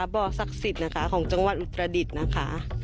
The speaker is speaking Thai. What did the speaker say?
บ่อศักดิ์สิทธิ์นะคะของจังหวัดอุตรดิษฐ์นะคะ